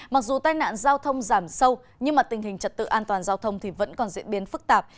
mặc dù tai nạn giao thông giảm sâu nhưng tình hình trật tự an toàn giao thông vẫn còn diễn biến phức tạp